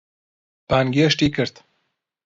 بانگێشتی کرد.